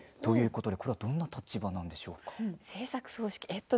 どんな立場なんでしょうか。